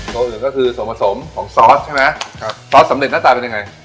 ตัวอื่นก็คือส่วนผสมของซอสใช่ไหมครับซอสสำเร็จหน้าตาเป็นยังไง